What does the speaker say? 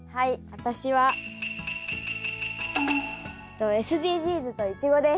私はＳＤＧｓとイチゴです。